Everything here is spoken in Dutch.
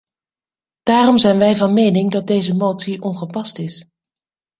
Daarom zijn wij van mening dat deze motie ongepast is.